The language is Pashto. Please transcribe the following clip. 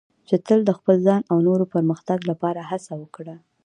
چې تل د خپل ځان او نورو پرمختګ لپاره هڅه وکړه.